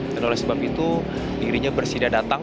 dan oleh sebab itu dirinya bersidah datang